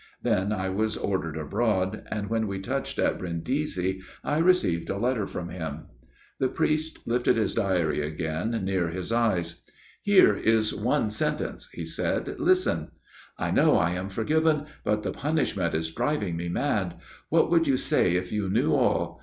Then I was ordered abroad ; and when we touched at Brindisi I received a letter from him." The priest lifted his diary again near his eyes. " Here is one sentence," he said. " Listen :* I know I am forgiven ; but the punishment is driving me mad. What would you say if you knew all